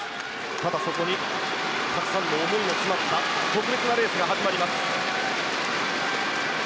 ただ、そこにたくさんの思いの詰まった特別なレースが始まります。